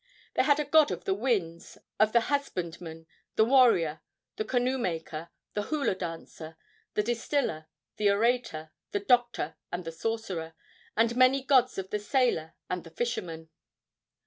They had a god of the winds, of the husbandman, the warrior, the canoe maker, the hula dancer, the distiller, the orator, the doctor and the sorcerer, and many gods of the sailor and the fisherman.